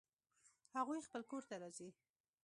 هغوی خپل کور ته راځي